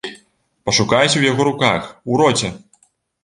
Пашукайце ў яго руках, у роце!